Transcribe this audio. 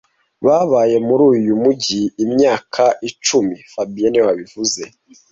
Babaye muri uyu mujyi imyaka icumi fabien niwe wabivuze